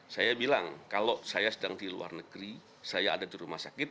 saya bilang kalau saya sedang di luar negeri saya ada di rumah sakit